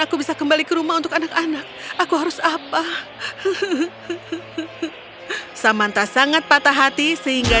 aku bisa kembali ke rumah untuk anak anak aku harus apa samanta sangat patah hati sehingga